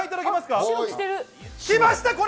きました！